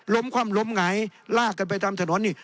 ล้มความล้มหงายลากันไปตามถนนนี่